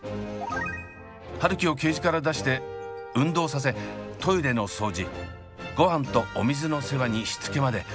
春輝をケージから出して運動させトイレの掃除ごはんとお水の世話にしつけまで。